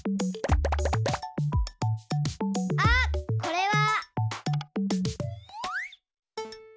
あっこれは。